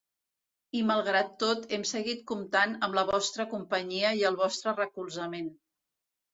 I malgrat tot hem seguit comptant amb la vostra companyia i el vostre recolzament.